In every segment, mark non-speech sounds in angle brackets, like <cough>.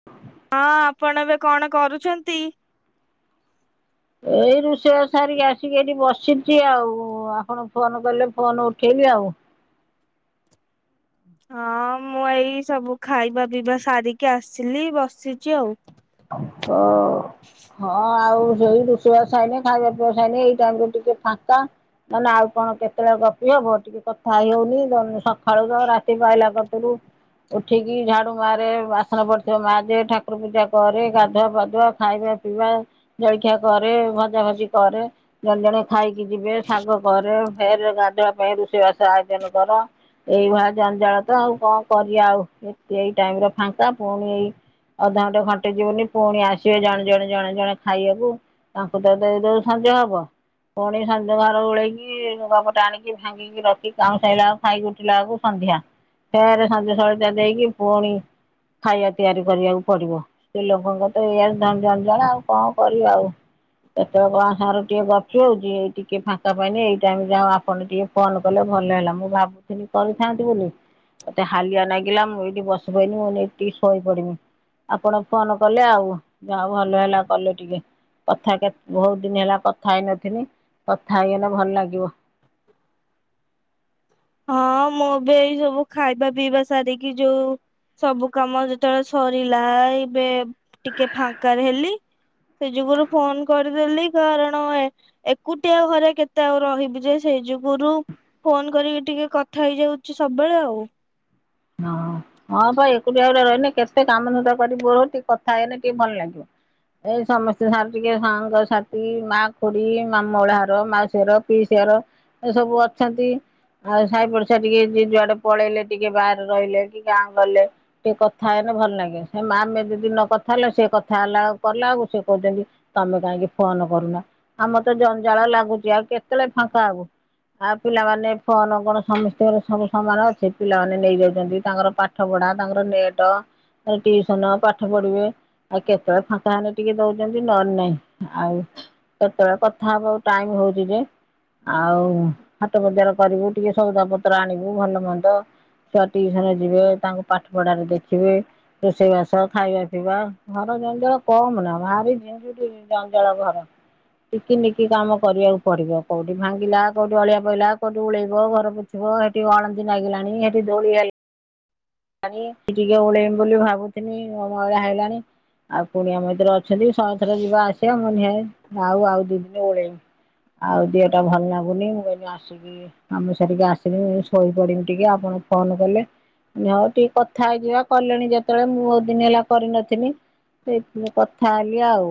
<inaudible> ହଁ, ଆପଣ ଏବେ କଣ କରୁଛନ୍ତି? ଏଇ ରୋଷେଇ ବାସ ସାରିକି ଆସିକି ଏଠି ବସିଛି ଆଉ, ଆପଣ ଫୋନ କଲେ ଫୋନ ଉଠେଇଲି ଆଉ। ହଁ ମୁଁ ଏଇ ସବୁ ଖାଇବା ପିଇବା ସାରିକି ଆସିଲି, ବସିଛି ଆଉ। ଓ ହଁ ଆଉ ଶୋଇ ରୁ ୁଆସାଇନ, ଖାଇବା ପିଇବା ସଇନେ, ଏଇ ଟାଇରେ ଟିକେ ଫାନ୍କ୍ଆ। ନ ଆଉ କଣ କେତେବେଳେ ଗପି ହବ ଟିକେ କଥା ହେଇ ହଉନି ସକାଳୁ ତ ରାତି ପାଇହଲା କରୁ ଉଠିକି ଝାଡୁ ମାରେ, ବାସନ ପଡିଥିବ ମାଯେ, ଠାକୁର। ପୂଜା କରେ, ଗାଧୁଆ, ପାଧୁଆ, ଖାଇବା, ପିଇବା, ଜଳଖିଆ କରେ, ଭଜା ଭଜି କରେ। ଜଣେ ଜଣେ ଖାଇକି ଯିବେ, ଶାଗ କରେ ଫେରେ ଗାଧୁଆ ପାଇଁ ରୋଷେଇବାସ ଆୟୋଜନ କର। ଏଇଭଆ ଜଞ୍ଜାଳ ତ, ଆଉ କଣ? କରିବା ଆଉ, ଏତେ ଏଇ ଟାଇମରେ ଫାଙ୍କା, ପୁଣି ଏଇ ଅଧଘଣ୍ଟା ଘଣ୍ଟ୍ ଟେ ଯିବୁନି ପୁଣି ଆସିବେ ଜଣେ, ଜଣେ, ଜଣେ, ଜଣେ ଖାଇବାକୁ, ତାଙ୍କୁ ତ ଦେଇଦଉ ସଜ ହବ। ପୁଣି ସାଞଧ୍ୟ ଘର ଓଳେଇକି, ଲୁଗା ପଟା ଆଣିକି ଭାଙ୍ଗିି ରଖି କାଉଁ ସାଇଲା ଆକୁ, ଖାଇ ଉଠିଲା ଆକୁ, ସନ୍ଧ୍ୟା। ଫେରେ ସଞ୍ଜ ସଳିତା ଦେଇକି, ପୁଣି ଖାଇଆ ତିଆରି କରିବାକୁ ପଡିବ। ସେ ଲୋକଙ୍କ ତ ଏଇଆ ଝଞଝଞଝଣା, ଆଉ କଣ କର ଆଉ? କେତେବେଳେ କଣ ସାଙ୍ଗର ଟିକେ ଗପି ହଉଛି, ଏଇ ଟିକେ ଫାଙ୍କା ପାଇଁନି, ଏଇ ଟାଇମ ଯାଉ ଆପଣ ଟିକେ ଫୋନ କଲେ ଭଲ ହେଲା, ମୁଁ ଭାବୁିଥିନି କରିଥାନ୍ତି ବୋଲି ମତେ ହାଲିଆ ନାଗିଲା। ମୁଁ ଏଇଠି ବସିପଇନି ମୁଁ ଟିକେ ଶୋଇ ପଡିବି, ଆପଣ ଫୋନ କଲେ ଆଉ, ଯାଉ ଭଲ ହେଲା, କଲେ ଟିକେ। କଥା କେ, ବହୁତ ଦିନ ହେଲା କଥା ହେଇନଥିନି, କଥା ହେଇଗଲେ ଭଲ ଲାଗିବ। ହଁ ମୁଁ ବି ଏଇ ସବୁ ଖାଇବା ପିଇବା ସାରିକି ଯୋଉ?? ସବୁ କାମ ଯେତେବେଳେ ସରିଲା ଏବେ ଟିକେ ଫାଙ୍କ ହେଲି। ସେ ଯୁଗରୁ ଫୋନ କରିଦେଲି କାରଣ ଏ ଏକୁଟିଆ ଘରେ କେତେ ଆଉ ରହିବି ଯେ ସେଇ ଯୁଗୁରୁ ଫୋନ କରିକି ଟିକେ କଥା ହେଇଯାଉଛି ସବୁବେଳେ ଆଉ। ହଁ ହଁ ପା ଏକୁଟିଆ ଗୁରେ ରହିନେ କେତେ କାମଧନ୍ଦା କୁଆଡ଼େ ପଳେଉଛି କଥା ହେଇଗନେ ଟିକେ ଭଲ ଲାଗିବ। ଏଇ ସମସ୍ତେ ସାଙ୍ଗରେ ଟିକେ ସାଙ୍ଗ ସାଥି ମା ଖୁଡି ମା ମୁଁ ମଉଳାଘର ମାଉସିଘର ପିଇସି ଘର ଏ ସବୁ ଅଛନ୍ତି, ଆଉ ସାାଇପଡିସା ଟିକେ ଯେ ଯୁଆଡେ ପଳେଇଲେ ଟିକେ ବା ରହିଲେ କି ଗାଁ କୁ ଗଲେ। ଟିକେ କଥା ହେଇନେ ଭଲ ଲାଗେ, ସେ ମା ଆମେ ଯଦି ନ କଥା ହେଲେ ସେ କଥା ହେଲା କଲା ବେକୁ ସେ କହୁଛନ୍ତି ତମେ କାହିଁକି ଫୋନ କରୁନା ଆମ ତ ଜଞ୍ଜାଳ ଲାଗୁଛି ଆଉ କେତେବେଳେ ଫାଙ୍କା ହବୁ। ଆଉ ପିଲାମାନେ ଫୋନ କଣ ସମସ୍ତଙ୍କର ସବୁ ସମାନ ଅଛି ପିଲାମାନେ ନେଇଯାଉ ଛନ୍ତି ତାଙ୍କର ପାଠ ପଢା ତାଙ୍କର ନେଟ ପୁଣି ଟିସନ ପାଠ ପଢିବେ ଆଉ କେତେବେଳେ ଫାଙ୍କା ହେନେ ଟିକେ ଦଉଛନ୍ତି ନହେଲେ ନାଇଁ ଆଉ। କେତେବେଳେ କଥା ହବାକୁ ଟାଇମ୍ ହଉଛି ଯେ। ଆଉ ହାଟ ବଜାର କରିବୁ ଟିକେ ସଉଦା ପତ୍ର ଆଣିବୁ ଭଲ ମନ୍ଦ। ଛୁଆ ଟିଉସନ ଯିବେ ତାଙ୍କୁ ପାଠ ପଢାରେ ଦେଖିବେ। ରୋଷେଇ ବାସ ଖାଇବା ପିଇବା ଘର ଜଞ୍ଜାଳ କମ ନା ଭାରି ଭାରି ଜଞ୍ଜାଳ ଘର। ଟିକ ନିକି କାମ କରିବାକୁ ପଡିବ କୋଉଠି ଭାଙ୍ଗିଲା କୋଉଠି ଅଳିଆ ପଇଲା କୋଉଠି ଉଳେଇବ ଘର ପୋଛ ଛିବ ହେଠି ଅଳନ୍ଧି ଲାଗିଲାଣି ସେଠି ଦୋଳି ହେଲାଣି। ଲାଣି ଟିକେ ଓଳେଇମି ବୋଲି ଭାବୁଥିଲି <unintelligible> ହେଇଗଲାଣି। ଆଉ କୁଣିଆ ମ୍ୟେତ୍ର ଅଛନ୍ତି ସହେ ଥର ଯିବା ଆସିବା ମୁଁ କହିନି ହେ ଯାଉ ଆଉ ଦି ଦିନ ଓଳେଇବି। ଆଉ ଦିହଟା ଭଲ ଲାଗୁନି ମୁଁ କହିନି ଆସିକି କାମ ଶାରିକି ଆସନି ମୁ ଶୋଇପଡିବି ଟିକେ ଆପଣ ଫୋନ କଲେ। ହଉ ଟିକେ କଥା ହେଇଯିବା କଲେଣି ଯେତେବେଳେ ମୁଁ ଭଉତୁ ଦିନି ହେଲା କରିନଥିଲି। ସେଇଥିରେ କଥା ହେଲି ଆଉ।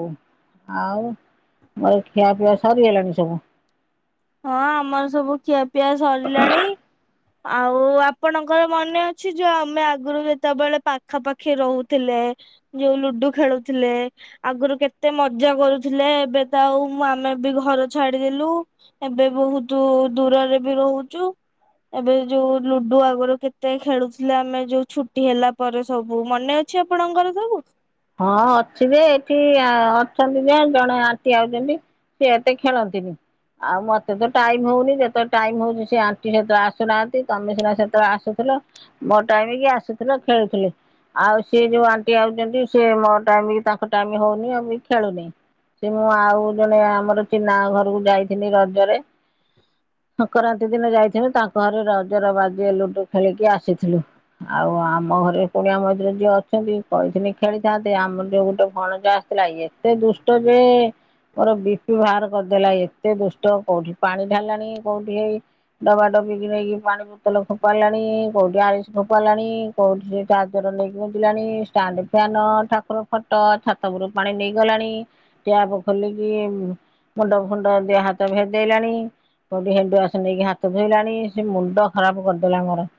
ଆଉ <unintelligible> ଖିଆ ପିଆ ସରିଗଲାଣି ସବୁ? ହଁ ଆମର ସବୁ ଖିଆପିଆ ସରିଲାଣି। ଆଉ ଆପଣଙ୍କର ମନେ ଅଛି ଯୋଉ ଆମେ ଆଗରୁ ଯେତେବେଳେ ପାଖାପାଖି ରହୁଥିଲେ। ଯୋଉ ଲୁଡୁ ଖେଳୁଥିଲେ। ଆଗରୁ କେତେ ମଜା କରୁଥିଲେ, ଏବେ ତ ଆଉ ମୁଁ ଆମେ ବି ଘର ଛାଡିଦେଲୁ। ଏବେ ବହୁତ ଦୂରରେ ବି ରହୁଛୁ। ଏବେ ଯୋଉ ଲୁଡୁ ଆଗରୁ କେତେ ଖେଳୁଥିଲେ ଆମେ ଯୋଉ ଛୁଟି ହେଲା ପରେ ସବୁ ମନେ ଅ ଛି ଆପଣଙ୍କର ସବୁ? ହଁ ଅଛି ଯେ ଏଠି ଅଛନ୍ତି ଯେ ଜଣେ ଆଣ୍ଟୀ ଆଇଛନ୍ତି। ସେ ଏତେ ଖେଳନ୍ତିନି। ଆଉ ମତେତ ଟାଇମ ହଉନି ଯେତେବେଳେ ଟାଇମ ହଉଛି ସେ ଆଣ୍ଟି ସେତେଳ ଆସୁନାହାନ୍ତି ତମେ ସିନା ସେତେବେଳେ ଆସୁଥିଲ। ମୋ ଟାଇମ କି ଆସୁଥିଲ ଖେଳୁଥିଲି ଆଉ ସିଏ ଯୋଉ ଆଣ୍ଟି ଆଉଛନ୍ତି ସେ ମୋ ଟାଇମ କୁ ତାଙ୍କ ଟାଇମ ହଉନି ଆଉ ବି ଖେଳୁନି। ସେ ମୁଁ ଆଉ ଜଣେ ଆମର ଚିନା ଘରକୁ ଯାଇଥିଲି ରଜରେ। ସଂକ୍ରାନ୍ତି ଦିନ ଯାଇଥିନି ତାଙ୍କ ଘରେ ରଜର ବାଜିଏ ଲୁଡୁ ଖେଳିକି ଆସିଥିଲୁ। ଆଉ ଆମ ଘରେ କୁଣିଆ ମଇତର ଯିଏ ଅଛନ୍ତି କହିଥିଲେ ଖେଳିଥାନ୍ତେ ଆମର ଯୋଉ ଗୋଟେ ଭଣଜା ଆସିଥିଲା ଏତେ ଦୁଷ୍ଟ ଯେ ମୋର ବି ପି ବାହାର କରିଦେଲା ଏତେ ଦୁଷ୍ଟ କୋଉଠି ପାଣି ଢାଳିଲାଣି କୋଉଠି ହେଇ ଡବା ଡବି କିି ନେଇକି ପାଣି ବୋତଲ ଫୋପାରିଲାଣି କୋଉଠି ଆରିସ ଫୋପାରିଲାଣି। କୋଉଠି ଚାର୍ଜର ନେଇକିିଲାଣି ଷ୍ଟାଣ୍ଡ ତାନ ଠାକୁର ଫଟ ଛାତ ଉପରୁକୁ ପାଣି ନେଇଗଲାଣି ଟ୍ୟାପ ଖୋଲିକି ମୁଣ୍ଡ ଫୁଣ୍ଡ ଦେହ ହାତ ଭେଦେଇଲାଣି କୋଉଠି ହେଣ୍ଡ୍ ୱସ ନେଇକି ହାତ ଧୋଇଲାଣି ସେ ମୁଣ୍ଡ ଖରାପ କରିଦେଲା ମୋର।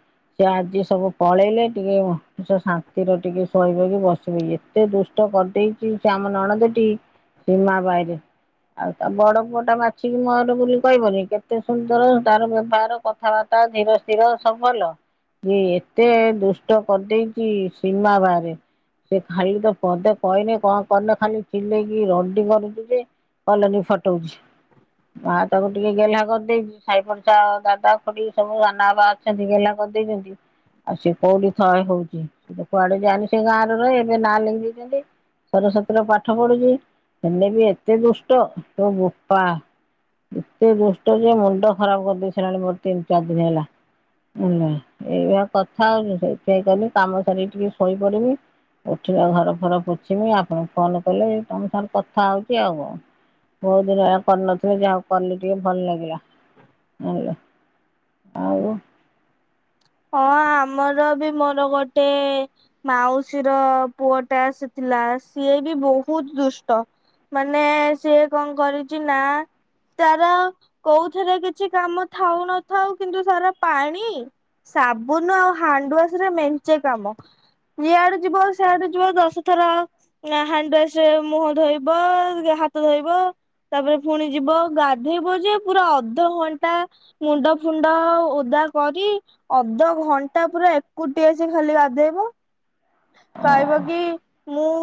ସେ ଆଜି ସବୁ ପଳେଇଲେ ଟିକେ ମଣିଷ ଶାନ୍ତିର ଟିକେ ଶୋଇଚି ହେଇ ବସିବ ଏତେ ଦୁଷ୍ଟ କରିଦେଇଛି ସେ ଆମ ନଣନ୍ଦଟି ସୀମା ବାହିରେ ଆଉ ତା ବଡ଼ ପୁଅ ଟା ମାଛିିକି ମୋର ବୋଲି କହିବନି। କେତେ ସୁନ୍ଦର ତାର ବ୍ୟବହାର କଥାବାର୍ତ୍ତା ଧୀର ସ୍ଥିର ସବ୍ ଭଲ ଯେ, ଏତେ ଦୁଷ୍ଟ କର୍ ଦେଇଚି ସୀମା ବାହାରେ ସେ ଖାଲି ତ ପଦେ କହଲେ, କଣ କଲେ? ଖାଲି ଚିଲେଇକି ରଡି କରୁଚି ଯେ କଲନି ଫଟଉଛି ମା ତାକୁ ଟିକେ ଗେହ୍ଲା କର୍ ଦେଇଛି। ସାଇ ପଡ଼ସା ଦାଦା ଖୁଡ଼ି ସବୁ ସାନା ବା ସେନ୍ତି ଗେଲ୍ହା କର୍ ଦେଇଛନ୍ତି, ଆଉ ସିଏ କୋଉଠି ଥଏ ହଉଛି। ସେ ତ କୁଆଡ଼େ ଯାଏନି ସେ ଗାଁ ରେ ରହେ ଏବେ ନାଁ ଲେଖ୍ ଦେଇଚନ୍ତି ସରସ୍ଵତୀର ପାଠ ପଢୁଚି, ହେଲେ ବି ଏତେ ଦୁଷ୍ଟ ତୋ ବୋପା ଏତେ ଦୁଷ୍ଟ ଯେ ମୁଣ୍ଡ ଖରାପ୍ କରିଦେଇ ସାରାଲାଣି, ମୋର୍ ତିନ୍-ଚାର୍ ଦିନି ହେଲା ହେଲା, ଏଇଆ କଥା ଆଉ ରୋଷେଇ କଲି କାମ ସାରିକି। ଟିକେ ଶୋଇ ପଡ଼ିଲି ଉଠିକି ଆଉ ଘର ଫର ପୋଛିଲି। ଆପଣ ଫୋନ୍ କଲେ, ତମ ସାଥେ କଥା ହଉଛି ଆଉ କଣ ବହୁତ୍ ଦିନ ହେଲା କର୍ ନଥିଲି, ଯାହାହଉ କଲି ଟିକେ ଭଲ୍ ଲାଗିଲା ଆଉ ହଁ, ଆମର ବି ମୋର ଗୋଟେ ମାଉସୀ ର ପୁଅଟା ଆସିଥିଲା, ସିଏ ବି ବହୁତ୍ ଦୁଷ୍ଟ ମାନେ, ସିଏ କଣ କରିଚି ନା ତାର କୋଉଥେରେ କିଛି କାମ ଥାଉ ନଥାଉ, କିନ୍ତୁ ତାର ପାଣି ସାବୁନ୍ ଆଉ ହାଣ୍ଡୱାରେ ମେଞ୍ଚେ କାମ ଜିଆଡ଼େ ଯିବ ସିଆଡ଼େ ଯିବ ଦଶଥର ୟା ହାଣ୍ଡୱାସ୍ ରେ ମୁହଁ ଧୋଇବ ହାତ ଧୋଇବ ତାପରେ ପୁଣି ଯିବ, ଗାଧେଇବ ଯେ ପୁରା ଅଧଘଣ୍ଟା ମୁଣ୍ଡ ଫୁଣ୍ଡ ଓଦା କରି ଅଧଘଣ୍ଟା ପୁରା ଏକୁଟିଆ ସେ ଖାଲି ଗାଧେଇବ କହିବ କି? ମୁଁ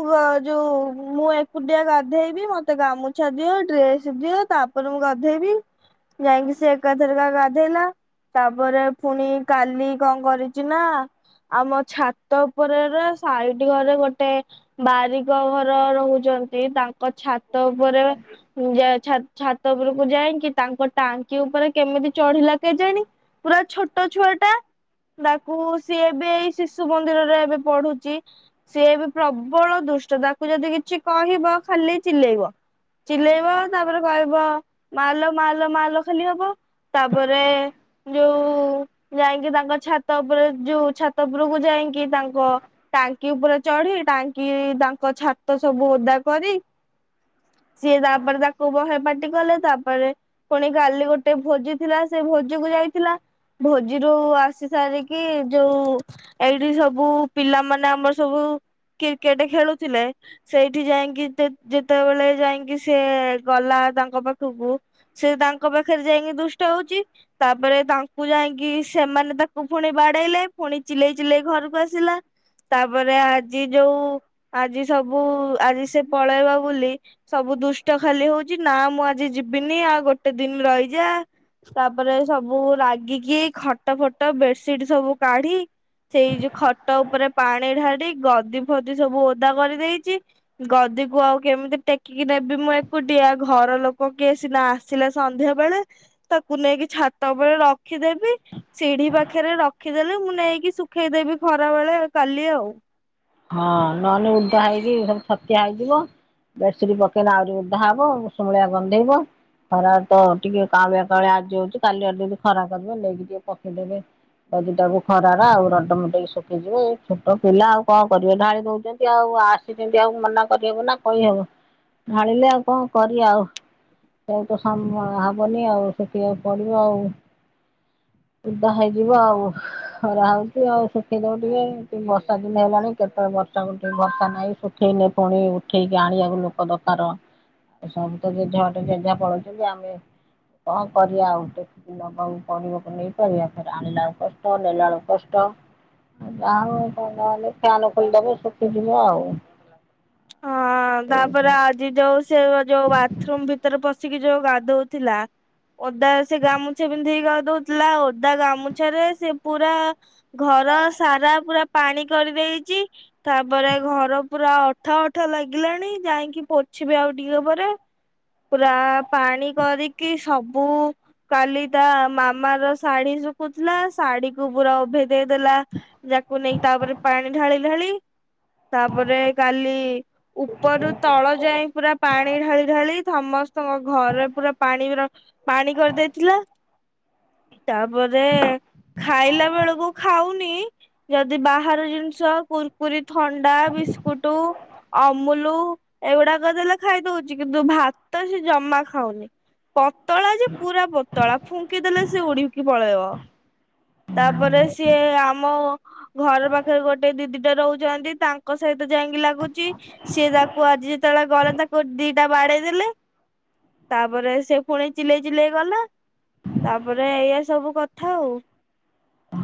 ଯୋଉ ମୁଁ ଏକୁଟିଆ ଗାଧେଇବି, ମତେ ଗାମୁଛା ଦିଅ ଡ୍ରେସ୍ ଦିଅ, ତାପରେ ମୁଁ ଗାଧେଇବି ଜାଇଁକି ସେ ଏକା ଥେରେକା ଗାଧେଇଲା ତାପରେ ପୁଣି କାଲି କଣ କରିଛି ନା, ଆମ ଛାତ ଉପରେ ରେ ସାଇଟି ଘରେ ଗୋଟେ, ବାରିକ ଘର ରହୁଚନ୍ତି। ତାଙ୍କ ଛାତ ଉପରେ, ଜା ଛା ଛାତ ଉପୁରକୁ ଯାଇକି, ତାଙ୍କ ଟାଙ୍କି ଉପରେ କେମିତି ଚଢ଼ିଲା କେଜାଣି ପୁରା ଛୋଟ ଛୁଆ ଟା, ତା କୁ ସିଏ ଏବେ ଏଇ ଶିଶୁ ମନ୍ଦିରରେ ଏବେ ପଢୁଚି ସିଏ ବି ପ୍ରବଳ ଦୁଷ୍ଟ, ତାକୁ ଯଦି କିଛି କହିବ ଖାଲି ଚିଲେଇବ ଚିଲେଇବ ତାପରେ କହିବ, ମାଲ ମାଲ ମାଲ ଖାଲି ହବ ତାପରେ ଯୋଉ, ଯାଇଙ୍କି ତାଙ୍କ ଛାତ ଉପରେ ଯୋଉ ଛାତ ଉପରକୁ ଯାଇଙ୍କି। ତାଙ୍କ ଟାଙ୍କି ଉପରେ ଚଢି, ଟାଙ୍କି ତାଙ୍କ ଛାତ ସବୁ ଓଦା କରି ସିଏ ତାପରେ ତାକୁ ବହ ପାଟି କଲେ ତାପରେ ପୁଣି କାଲି ଗୋଟେ ଭୋଜି ଥିଲା। ସେ ଭୋଜିକୁୁ ଯାଇଥିଲା। ଭୋଜିରୁ ଆସି ସାରିକି ଯୋଉ ଏଇଠି ସବୁ ପିଲାମାନେ ଆମର ସବୁ କ୍ରିକେଟେ ଖେଳୁଥିଲେ। ସେଇଠି ଯାଇଁକି ଯେତେବେଳେ ଯାଇଁକି ସେ ଗଲା ତାଙ୍କ ପାଖକୁ ସେ ତାଙ୍କ ପାଖରେ ଯାଇକି ଦୁଷ୍ଟ ହଉଚି। ତାପରେ ତାଙ୍କୁ ଯାଇକି ସେମାନେ ତାକୁ ପୁଣି ବାଡ଼େଇଲେ। ପୁଣି ଚିଲେଇ ଚିଲେଇ ଘରୁକୁ ଆସିଲା। ତାପରେ ଆଜି ଯୋଉ ଆଜି ସବୁ ଆଜି ସେ ପଳେଇବ ବୁଲି ସବୁ ଦୁଷ୍ଟ ଖାଲି ହଉଚି ନାଁ ମୁଁ ଆଜି ଯିବିନି ଆଉ ଗୋଟେ ଦିନି ରଇଯା। ତାପରେ ସବୁ ରାଗିକି ଖଟ ଫଟ ବେଡସିଟ୍ ସବୁ କାଢ଼ି ସେଇ ଯୋଉ ଖଟ ଉପରେ ପାଣି ଢାଡ଼ି ଗଦି ଫଦି ସବୁ ଓଦା କରିଦେଇଚି। ଗଦିକୁ ଆଉ କେମିତି ଟେକିକି ନେବି ମୁଁ ଏକୁଟିଆ ଘର ଲୋକ କିଏ ସିନା ଆସି ଆସିଲେ ସନ୍ଧ୍ୟା ବେଳେ ତାକୁ ନେଇକି ଛାତ ଉପରେ ରଖିଦେବି ସିଢି ପାଖରେ ରଖିଦେଲେ ମୁଁ ନେଇକି ଶୁଖେଇଦେବି ଖରା ବେଳେ କାଲି ଆଉ। ହଁ ନହେଲେ ଉଦା ହେଇକି ସବୁ ଛତିଆ ହେଇଯିବ। ବେଡସିଟ ପକେଇଲେ ଆହୁରି ଉଧା ହବ ଉଷମଳିଆ ଗନ୍ଧେଇବ। ଖରା ତ ଟିକେ କାଳୁଆ କାଳୁଆ ଆଜି ହଉଛି କାଲିି ଆଡ଼େ ଟିକେ ଖରା ଦବ ନେଇକି ଟିକେ ପକେଇଦେବେ। ଗଦିଟାକୁ ଖରାର ଆଉ ରଡ ମଡକି ଶୁଖିଯିବ ଏଇ ଛୋଟ ପିଲା ଆଉ। କଣ କରିବେ ଢାଳି ଦଉଛନ୍ତି ଆଉ ଆସିଛନ୍ତି ଆଉ ମନା କରିହବ ନା କହିହବ। ଢାଳିଲେ ଆଉ କଣ କରିବା ଆଉ। ସେ ତ ହବନି ଆଉ ସେଥିପାଇ ପଡିବ ଆଉ। ଉଦା ହେଇଯିବ ଆଉ ଖରା ହଉଛି ଆଉ ଶୁଖେଇ ଦବ ଟିକେ ଦିନ ହେଲାଣି କେତବେଳେ ବର୍ଷା ଉଠେଇବ ବର୍ଷା ନାହିଁ। ଶଠେଇନେ ପୁଣି ଉଠେଇକି ଆଣିବାକୁ ଲୋକ ଦରକାର। ଆଉ ସବୁ ତ ଜେଝାବାଟେରେ ଯେଝା ପଳଉଛନ୍ତି ଆମେ କଣ କରିବା ଆଉ। ନବାକୁ ପଡିବ ନେଇପାରିବା ଫରେ ଆଣିଲା ବଳୁ କଷ୍ଟ ନେଲା ବେଳୁ କଷ୍ଟ। ଯାହେଲେ ଫ୍ୟାନ ଫୁନି ଦେବେ ଶୁଖିଯିବ ଆଉ। ହଁ ତାପରେ ଆଜି ଯୋଉ ସେ ଯୋଉ ବାଥରୁମ ଭିତରେ ପଶ ସିକି ଯୋଉ ଗାଧଉଥିଲା ଓଦା ସେ ଗାମୁଛା ପନ୍ଧିକି ଗାଧଉଥିଲା ଓଦା ଗାମୁଛାରେ ସେ ପୁରା ଘର ସାରା ପୁରା ପାଣି କରିଦେଇଛି ତାପରେ ଘର ପୁରା ଅଠା ଅଠା ଲାଗିଲାଣି ଯାଇକି ପୋଛିବି ଆଉ ଟିକେ ପରେ। ପୁରା ପାଣି କରିକି ସବୁ କାଲି ତା ମାମା ର ଶାଢୀ ଶୁଖୁଥିଲା ଶାଢୀକୁୁ ପୁରା ଉଭେ ଦେଇଦେଲା ଯାକୁ ନେଇକି ତାପରେ ପାଣି ଢାଳି ଢାଳି ତାପରେ <unintelligible> ଉପରୁ ତଳ ଯାଇଏ ପୁରା ପାଣି ଢାଳି ଢାଳି ସମସ୍ତଙ୍କ ଘରେ ପୁରା ପାଣି ରଖି ପାଣି କରିଦେଇଥିଲା। ତାପରେ ଖାଇଲା ବେଳକୁ ଖାଉନି। ଯଦି ବାହାର ଜିନିଷ କୁୁରୁକୁରି ଥଣ୍ଡା ବି ଟୁ ଅମୁଲୁ ଏଗୁଡାକ ଦେଲେ ଖାଇଦଉଛି। କିନ୍ତୁ ଭାତ ସେ ଜମା ଖାଉନି। ପତଳା ଯେ ପୁରା ପତଳା ଫୁଙ୍କିଦେଲେ ସେ ଉଡିକି ପଳେଇବ। ତାପରେ ସିଏ ଆମ ଘର ପାଖରେ ଗୋଟେ ଦିଦିଟା ରହୁଛନ୍ତି। ତାଙ୍କ ସହିତ ଯାଇକି ଲାଗୁଛି ସିଏ ତାକୁ ଆଜି ଯେତେବେଳେ ଗଲା ତାକୁ ଦିଟା ବାଡେଇ ଦେଲେ। ତାପରେ ସେ ପୁଣି ଚିଲେଇ ଚିଲେଇ ଗଲା। ତାପରେ ଏଇଆ ସବୁ କଥା ଆଉ।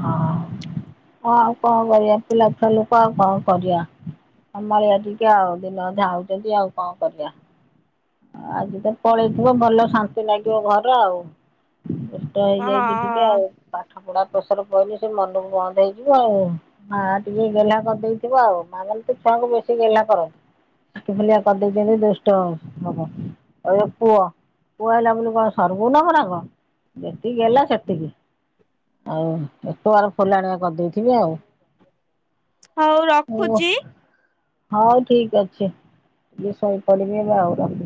ହ ହଁ ଆଉ କଁ କରିଆ ପିଲାଛୁଆ ଲୋକ ଆଉ କଁ କରିଆ? ସମ୍ଭାଳିଆ ଟିକେ ଆଉ ଦିନ ଅଧେ ଆଉଚନ୍ତି ଆଉ କଁ କରିଆ। ଅ ଆଜି ତ ପଳେଇଥିବ ଭଲ ଶାନ୍ତି ଲାଗିବ ଘର ଆଉ। ଦୁଷ୍ଟ ହେଇଯାଇଚି ଟିକେ ହଁ ଆଉ ପାଠ ପଢା ପ୍ରେସର ପଇଲେ ସେ ମନକୁ ବନ୍ଦ୍ ହେଇଯିବ ଆଉ। ମା ଟିକେ ଗେହ୍ଲା କରିଦେଇଥିବ ଆଉ ମା ମାନେ ତ ଛୁଆଙ୍କୁ ବେଶୀ ଗେହ୍ଲା କରନ୍ତି। <unintelligible> ଫୁଲିଆ କରି ଦେଇଚନ୍ତି ଦୁଷ୍ଟ। ଓହେ କହିବ ପୁଅ ପୁଅ ହେଲା ବୋଲି କଁ ସର୍ଗକୁ ନବ ନା କଁ? ଯେତିକି ହେଲା ସେତିକି। ଆଉ <unintelligible> ଫୁଲାଣିଆ କରିଦେଇଥିବେ ଆଉ। ହଉ ପୁଅ। ରଖୁଛି। ହଉ ଠିକ୍ ଅଛି ଯି ଶୋଇପାଡିବି ଏବେ ଆଉ ରଖୁ